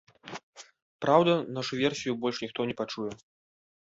Праўда, нашу версію больш ніхто не пачуе.